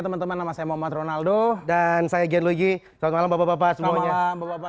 teman teman nama saya muhammad ronaldo dan saya genluji selamat malam bapak bapak semuanya bapak bapak